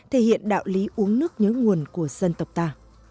thể hiện đạo lý uống nước nhớ nguồn của dân tộc ta